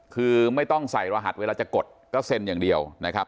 คือไม่ต้องใส่รหัสเวลาจะกดก็เซ็นอย่างเดียวนะครับ